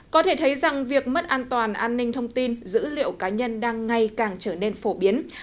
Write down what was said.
có thể thấy rằng việc mất an toàn an ninh thông tin dữ liệu cá nhân đang ngày càng trở nên phổ biến